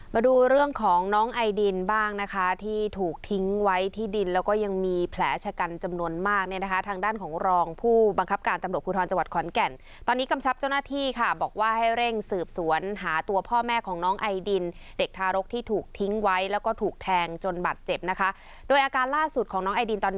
มาดูเรื่องของน้องไอดินบ้างนะคะที่ถูกทิ้งไว้ที่ดินแล้วก็ยังมีแผลชะกันจำนวนมากเนี่ยนะคะทางด้านของรองผู้บังคับการตำรวจภูทรจังหวัดขอนแก่นตอนนี้กำชับเจ้าหน้าที่ค่ะบอกว่าให้เร่งสืบสวนหาตัวพ่อแม่ของน้องไอดินเด็กทารกที่ถูกทิ้งไว้แล้วก็ถูกแทงจนบัตรเจ็บนะคะโดยอาการล่าสุดของน้องไอดินตอนนี้